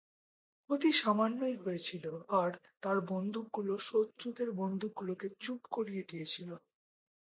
ক্ষতি সামান্যই হয়েছিল আর তার বন্দুকগুলো শত্রুদের বন্দুকগুলোকে চুপ করিয়ে দিয়েছিল।